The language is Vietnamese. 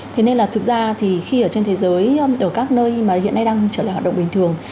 thế nên là thực ra thì khi ở trên thế giới ở các nơi mà hiện nay đang trở lại hoạt động bình thường